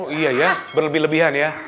oh iya ya berlebihan ya